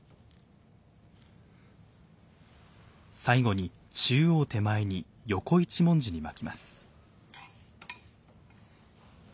最後に中央手前に横一文字にまきます。